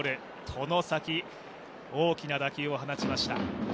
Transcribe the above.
外崎、大きな打球を放ちました。